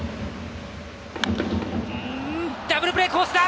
ダブルプレーコース。